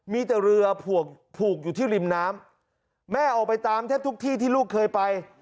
มีแต่เรือผวกผูกอยู่ที่ริมน้ำแม่ออกไปตามแทบทุกที่ที่ลูกเคยไป